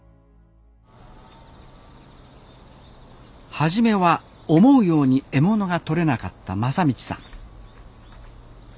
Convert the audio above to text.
初めは思うように獲物がとれなかった正道さん。